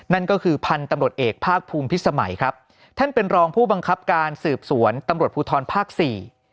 นั่นก็คือพันธุ์ตำรวจเอกภาคภูมิพิสมัยครับท่านเป็นรองผู้บังคับการสืบสวนตำรวจภูทรภาคสี่